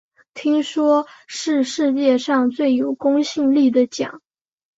听说是世界上最有公信力的奖